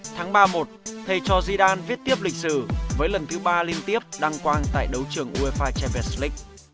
tháng ba một thầy cho zidane viết tiếp lịch sử với lần thứ ba liên tiếp đăng quang tại đấu trường uefa champions league